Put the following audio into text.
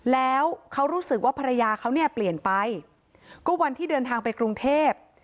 แล้วเขารู้สึกว่าภรรยาเขาเนี่ยเปลี่ยนไปก็วันที่เดินทางไปกรุงเทพ